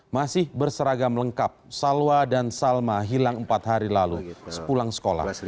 masih berseragam lengkap salwa dan salma hilang empat hari lalu sepulang sekolah